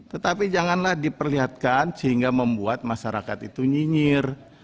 tetapi janganlah diperlihatkan sehingga membuat masyarakat itu nyinyir